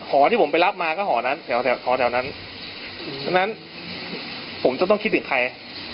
หอที่ผมไปรับมาก็หอนั้นแถวแถวหอแถวนั้นฉะนั้นผมจะต้องคิดถึงใคร